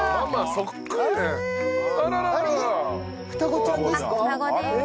双子ちゃんですか？